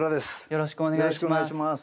よろしくお願いします。